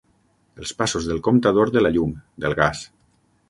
Els passos del comptador de la llum, del gas.